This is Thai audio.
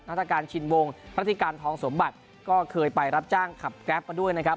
รัฐการชินวงรัฐิการทองสมบัติก็เคยไปรับจ้างขับแก๊ปมาด้วยนะครับ